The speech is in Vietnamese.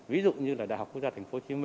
ví dụ như là đại học quốc gia tp hcm